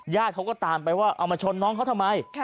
เขาก็ตามไปว่าเอามาชนน้องเขาทำไม